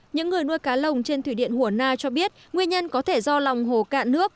những người nuôi cá lồng trên thủy điện hùa na cho biết nguyên nhân có thể do lòng hồ cạn nước